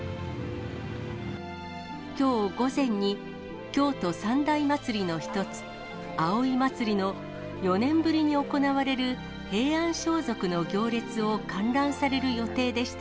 きょう午前に、京都三大祭りの一つ、葵祭の４年ぶりに行われる平安装束の行列を観覧される予定でした